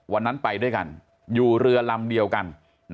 วันนั้นไปด้วยกันอยู่เรือลำเดียวกัน